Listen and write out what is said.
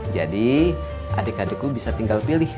jadi adik adikku bisa tinggal pilih